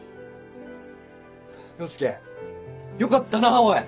陽介よかったなおい！